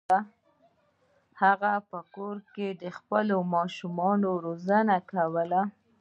هغه په کور کې د خپلو ماشومانو روزنه کوله.